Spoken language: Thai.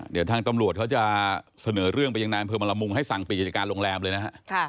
เดี๋ยวทางตำรวจเขาจะเสนอเรื่องไปอย่างนานเพื่อมะละมุงให้สั่งปิจจักรโรงแรมเลยนะครับ